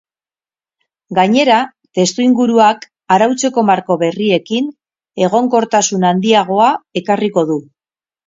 Gainera, testuinguruak, arautzeko marko berriekin, egonkortasun handiagoa ekarriko du.